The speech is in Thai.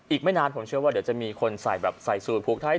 อีกไม่นานผมเชื่อว่าเดี๋ยวจะมีคนใส่แบบใส่สูตรผูกไทย